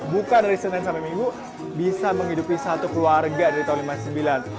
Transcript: buka dari senin sampai minggu bisa menghidupi satu keluarga dari tahun seribu sembilan ratus lima puluh sembilan